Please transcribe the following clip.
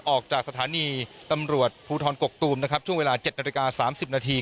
ออกจากสถานีตำรวจภูทรกกตูมนะครับช่วงเวลา๗นาฬิกา๓๐นาที